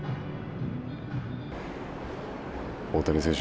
大谷選手